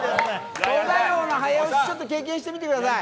「東大王」の早押し、経験してみてください。